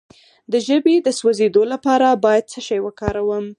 د ژبې د سوځیدو لپاره باید څه شی وکاروم؟